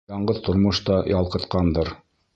Яңғыҙ тормош та ялҡытҡандыр.